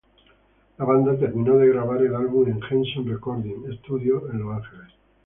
La banda terminó de grabar el álbum en Henson Recording Studios en Los Ángeles.